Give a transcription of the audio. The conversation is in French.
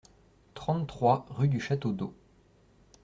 trente-trois rue du Château d'Ô